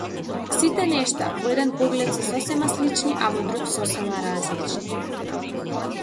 Сите нешта во еден поглед се сосема слични, а во друг сосема различни.